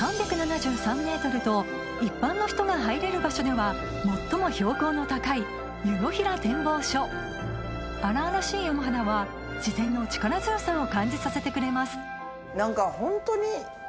一般の人が入れる場所では最も標高の高い荒々しい山肌は自然の力強さを感じさせてくれます